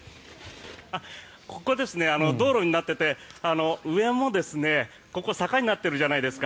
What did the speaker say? ここ、道路になっていて上もここ坂になっているじゃないですか。